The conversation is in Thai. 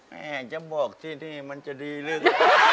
แม่จะบอกที่นี่มันจะดีลึก